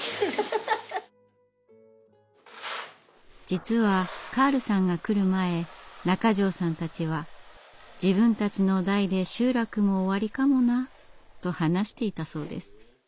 実はカールさんが来る前中條さんたちは「自分たちの代で集落も終わりかもな」と話していたそうです。